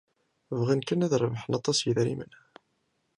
Bɣan kan ad d-rebḥen aṭas n yedrimen.